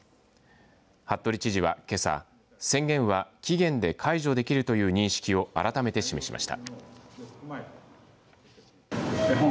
服部知事は、けさ宣言は期限で解除できるという認識を改めて示しました。